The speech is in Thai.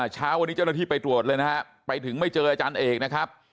เช้าวันนี้เจ้าหน้าที่ไปตรวจเลยนะฮะไปถึงไม่เจออาจารย์เอกนะครับ